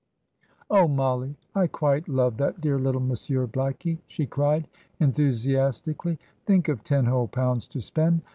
"Oh, Mollie, I quite love that dear little Monsieur Blackie!" she cried, enthusiastically. "Think of ten whole pounds to spend!